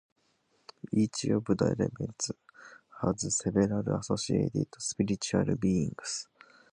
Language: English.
Each of the elements has several associated spiritual beings.